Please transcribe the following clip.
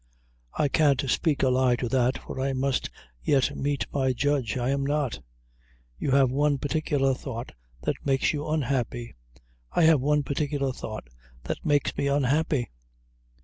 "I can't speak a lie to that, for I must yet meet my judge I am not." "You have one particular thought that makes you unhappy." "I have one particular thought that makes me unhappy."